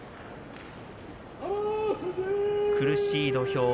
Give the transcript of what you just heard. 苦しい土俵。